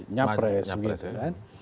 nyapres gitu kan